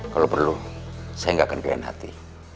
kalau perlu saya nggak akan pilihan hati